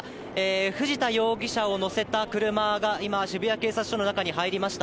藤田容疑者を乗せた車が今、渋谷警察署の中に入りました。